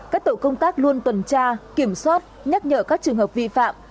các tổ công tác luôn tuần tra kiểm soát nhắc nhở các trường hợp vi phạm